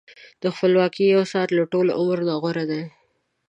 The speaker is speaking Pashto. د خپلواکۍ یو ساعت له ټول عمر نه غوره دی.